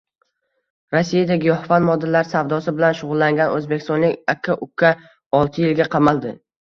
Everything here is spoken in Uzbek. Rossiyada giyohvand moddalar savdosi bilan shug‘ullangan o‘zbekistonlik aka-ukaoltiyilga qamaldi